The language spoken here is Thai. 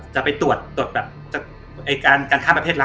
จะไปตรวจตรวจแบบจะไอ้การการท่านประเภทร้า